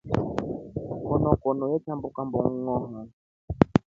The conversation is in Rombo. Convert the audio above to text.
Konokone yetambuka mbongʼoha.